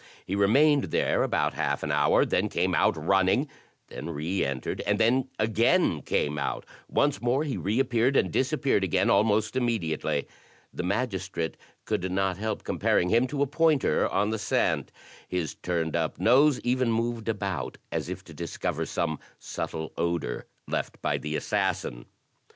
He remained there about half an hour; then came out running, then re entered and then again came out; once more he reappeared and disappeared again almost immediately. The magistrate could not help comparing him to a pointer on the scent, his turned up nose even moved about as if to discover some subtle odor left by the assassin.